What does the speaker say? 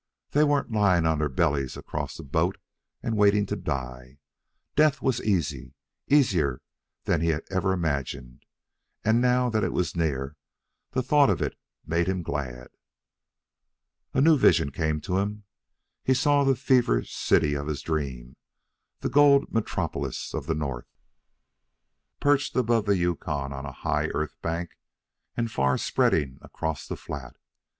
They weren't lying on their bellies across a boat and waiting to die. Death was easy easier than he had ever imagined; and, now that it was near, the thought of it made him glad. A new vision came to him. He saw the feverish city of his dream the gold metropolis of the North, perched above the Yukon on a high earth bank and far spreading across the flat.